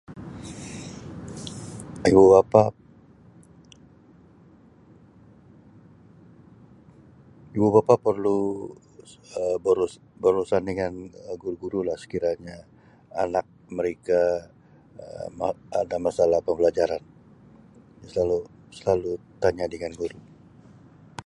Ibu bapa ibu bapa perlu Um beru-berurusan dengan guru-gurulah sekiranya anak mereka Um ada masalah pembelajaran jadi selalu-selalu tanya dengan guru.